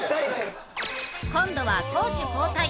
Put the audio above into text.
今度は攻守交代